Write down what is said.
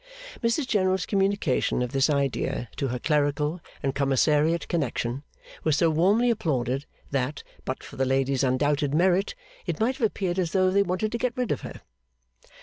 Mrs General's communication of this idea to her clerical and commissariat connection was so warmly applauded that, but for the lady's undoubted merit, it might have appeared as though they wanted to get rid of her.